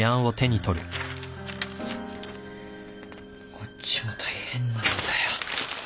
こっちも大変なんだよ。